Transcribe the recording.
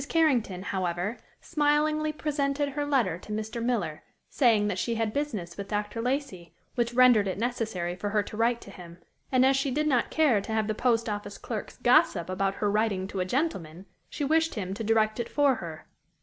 Carrington, however, smilingly presented her letter to Mr. Miller, saying that she had business with Dr. Lacey, which rendered it necessary for her to write to him, and as she did not care to have the post office clerks gossip about her writing to a gentleman, she wished him to direct it for her.